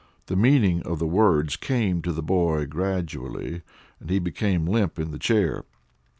The meaning of the words came to the boy gradually, and he became limp in the chair.